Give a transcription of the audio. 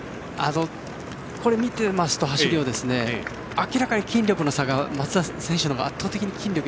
これ、走りを見ていますと明らかに筋力の差が松田選手のほうが圧倒的に筋力が。